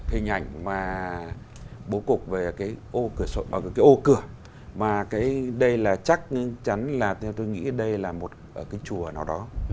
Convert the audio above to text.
hình ảnh mà bố cục về cái ô cửa mà cái đây là chắc chắn là tôi nghĩ đây là một cái chùa nào đó